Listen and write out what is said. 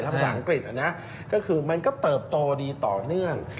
ภาษาอังกฤษก็คือมันก็เติบโตดีต่อเนื่อง